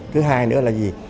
thứ hai nữa là gì